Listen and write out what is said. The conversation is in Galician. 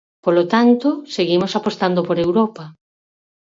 Polo tanto, seguimos apostando por Europa.